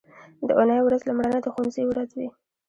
د اونۍ ورځ لومړنۍ د ښوونځي ورځ وي